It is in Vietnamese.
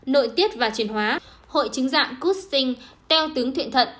nội tiết và truyền hóa hội chứng dạng cút sinh teo tướng thuyện thận